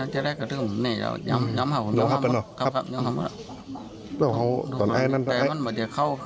ท่าเตยมื้อไม่ไดมันดัง